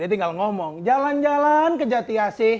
dia tinggal ngomong jalan jalan ke jatiasi